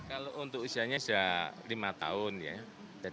kalau untuk usianya sudah lima tahun ya